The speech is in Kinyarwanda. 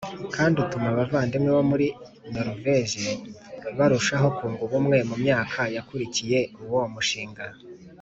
Kandi utuma abavandimwe bo muri noruveje barushaho kunga ubumwe mu myaka yakurikiye uwo mushinga